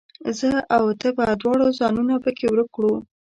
زه او ته به دواړه ځانونه پکښې ورک کړو